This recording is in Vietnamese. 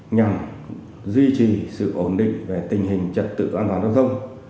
nhằm duy trì sự ổn định về tình hình trật tự an toàn giao thông